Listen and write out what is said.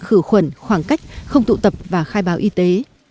khử khuẩn khoảng cách không tụ tập và khai báo y tế